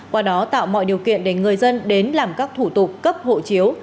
qua đó tạo mọi điều kiện để người dân đến làm các thủ tục cấp hộ chiếu